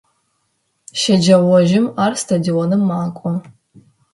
Щэджэгъоужым ар стадионым макӏо.